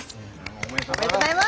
おめでとうございます！